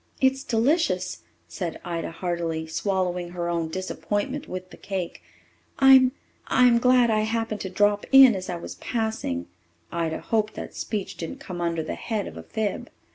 "It's delicious," said Ida heartily, swallowing her own disappointment with the cake. "I'm I'm glad I happened to drop in as I was passing." Ida hoped that speech didn't come under the head of a fib.